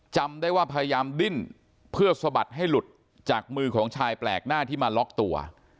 จำได้ว่าพยายามดิ้นเพื่อสะบัดให้หลุดจากมือของชายแปลกหน้าที่มาล็อกตัว